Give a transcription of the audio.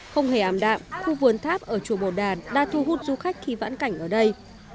không hề ám đạm khu vườn tháp ở chùa bổ đà đã thu hút du khách khi vãn cảnh ở đây